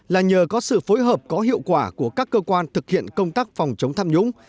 là nhờ có sự phối hợp có hiệu quả của các cơ quan thực hiện công tác phòng chống tham nhũng